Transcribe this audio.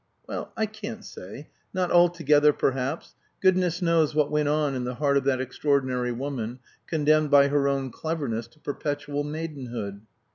Well, I can't say. Not altogether, perhaps. Goodness knows what went on in the heart of that extraordinary woman, condemned by her own cleverness to perpetual maidenhood.